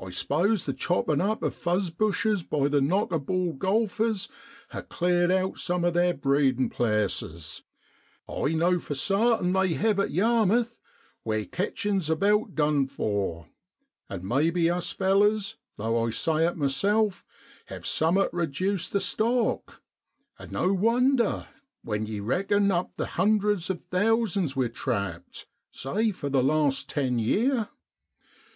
I s'pose the choppin' up of fuzz bushes by the knock a ball golfers ha' cleared out some of their breedin' places, I know for sartin they hev at Yarmith, where ketchin's about done for, and maybe us fellers, though I say it myself, have summat reduced the stock; and no wonder, when yereckin up the hundreds of thousands we've trapped, say, for the last ten yeer.